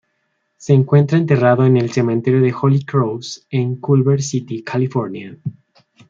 Se encuentra enterrado en el Cementerio de Holy Cross en Culver City, California.